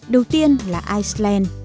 đầu tiên là iceland